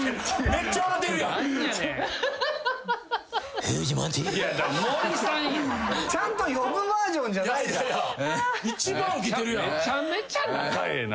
めちゃめちゃ仲ええな。